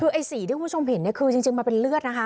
คือไอ้สีที่คุณผู้ชมเห็นจริงมันเป็นเลือดนะฮะ